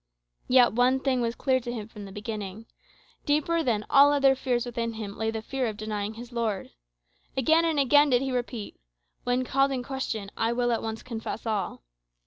Yet one thing was clear to him from the beginning. Deeper than all other fears within him lay the fear of denying his Lord. Again and again did he repeat, "When called in question, I will at once confess all."